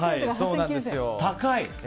高い！